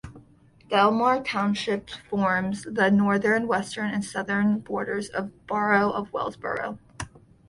Delmar Township forms the northern, western, and southern borders of the borough of Wellsboro.